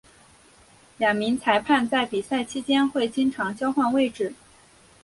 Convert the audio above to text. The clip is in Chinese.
两名裁判在比赛期间会经常交换位置。